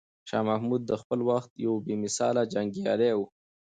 شاه محمود د خپل وخت یو بې مثاله جنګیالی و.